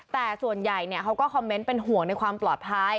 แต่ส่วนใหญ่เขาก็คอมเมนต์เป็นห่วงในความปลอดภัย